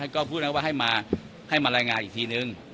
ก็พูดนะว่าให้มาให้มารายงานอีกทีนึง